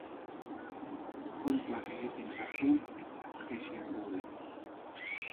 Kontuak egiten jardun eta krisian gaude